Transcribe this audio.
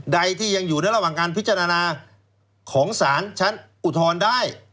ใดที่ยังอยู่ในระหว่างการพิจารณาของสารชั้นอุทธรณ์ได้